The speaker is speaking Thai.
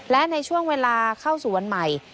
และในช่วงเวลาเข้าสู่วันใหม่